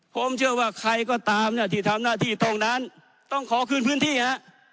ผมเชื่อว่าใครก็ตามเนี่ยที่ทำหน้าที่ตรงนั้นต้องขอคืนพื้นที่ฮะ